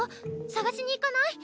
捜しに行かない？